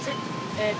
えっ？